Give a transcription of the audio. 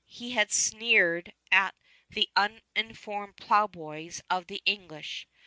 He had sneered at the un uniformed plowboys of the English.